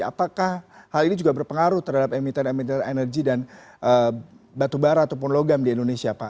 apakah hal ini juga berpengaruh terhadap emiten emiten energi dan batu bara ataupun logam di indonesia pak